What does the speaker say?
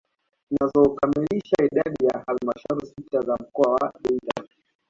Zinazokamilisha idadi ya halmashauri sita za mkoa wa Geita